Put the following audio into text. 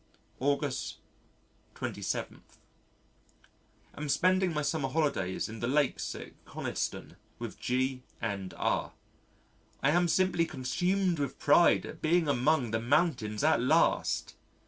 August 27. Am spending my summer holidays in the Lakes at Coniston with G and R .... I am simply consumed with pride at being among the mountains at last!